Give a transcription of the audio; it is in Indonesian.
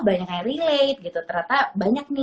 banyak yang relate gitu ternyata banyak nih